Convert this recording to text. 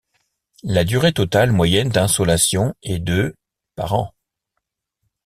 La durée totale moyenne d'insolation est de par an.